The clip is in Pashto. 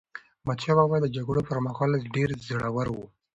احمدشاه بابا د جګړو پر مهال ډېر زړور و.